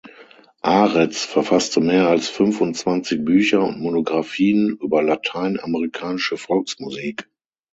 Aretz verfasste mehr als fünfundzwanzig Bücher und Monografien über lateinamerikanische Volksmusik.